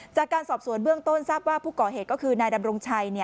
จากการสอบสวนเบื้องต้นทราบว่าผู้ก่อเหตุก็คือนายดำรงชัย